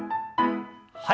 はい。